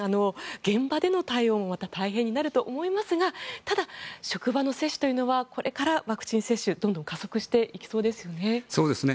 現場での対応もまた大変になると思いますがただ、職場の接種というのはこれからワクチン接種どんどん加速していきそうですよね。